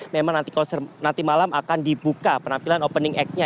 memang nanti malam akan dibuka penampilan opening act nya